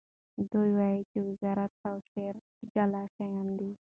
دی وایي چې وزارت او شعر جلا شیان دي.